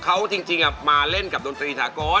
เขาจริงมาเล่นกับดนตรีสากร